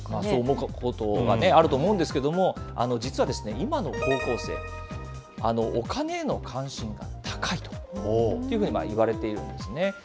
そう思うことがあると思うんですけれども、実は、今の高校生、お金への関心が高いというふうにいわれているんですね。